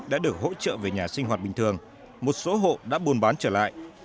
đã được hỗ trợ về nhà sinh hoạt bình thường một số hộ đã buôn bán trở lại